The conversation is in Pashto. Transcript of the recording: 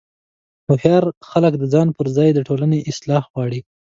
هوښیار خلک د ځان پر ځای د ټولنې اصلاح غواړي.